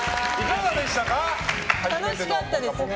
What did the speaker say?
楽しかったですね。